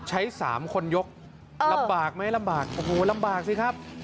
ใช้๓คนยกลำบากไหมลำบากโอ้โหลำบากสิครับ